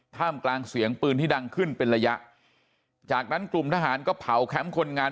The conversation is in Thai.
ท่ามกลางเสียงปืนที่ดังขึ้นเป็นระยะจากนั้นกลุ่มทหารก็เผาแคมป์คนงาน